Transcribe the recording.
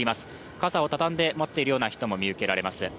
傘を畳んで待っているような人も見受けられます。